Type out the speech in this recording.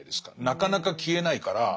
なかなか消えないから。